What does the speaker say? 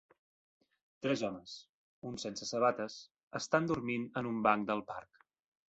Tres homes, un sense sabates, estan dormint en un banc del parc.